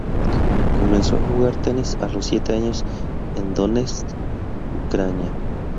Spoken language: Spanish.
Comenzó a jugar tenis a los siete años en Donetsk, Ucrania.